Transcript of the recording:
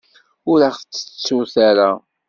Ur aɣ-ttettut ara.